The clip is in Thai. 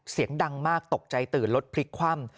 เสียงดังมากตกใจตื่นรถพลิกคว่ำ